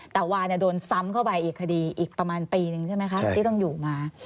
แต่วาเนี่ยโดนซ้ำเข้าไปอีกประมาณปีนึงใช่มั้ยคะ